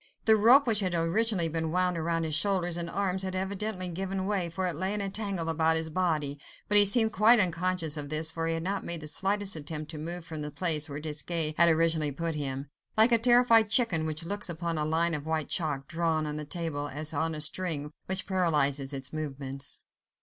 The rope which had originally been wound round his shoulders and arms had evidently given way, for it lay in a tangle about his body, but he seemed quite unconscious of this, for he had not made the slightest attempt to move from the place where Desgas had originally put him: like a terrified chicken which looks upon a line of white chalk, drawn on a table, as on a string which paralyzes its movements.